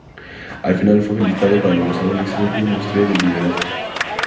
Al final fue felicitado por demostrar una excelente muestra de liderazgo.